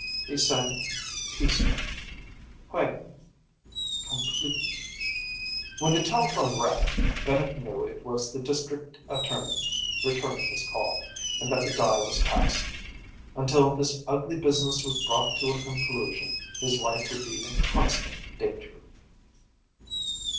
He sank peacefully, quietly completely. When the telephone rang, Bennett knew it was the district attorney returning his call, and that the die was cast. Until this ugly business was brought to a conclusion, his life would be in constant danger.